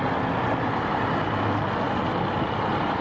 ตด